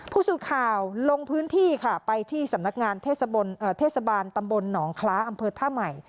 ผู้สื่อข่าวลงพื้นที่ค่ะไปที่สำนักงานเทศบาลตำบลหนองคล้าอำเภอท่าใหม่